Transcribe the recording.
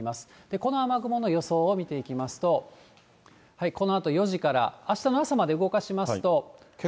この雨雲の予想を見ていきますと、このあと４時から、あしたの朝まで動かしますと。